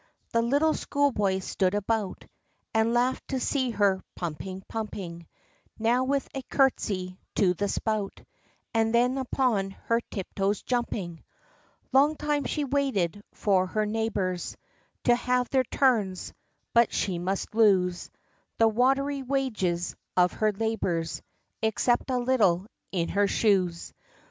The little school boys stood about, And laugh'd to see her pumping, pumping; Now with a curtsey to the spout, And then upon her tiptoes jumping. Long time she waited for her neighbors, To have their turns: but she must lose The watery wages of her labors, Except a little in her shoes!